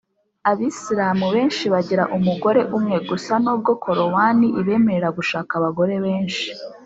abisilamu benshi bagira umugore umwe gusa nubwo korowani ibemerera gushaka abagore benshi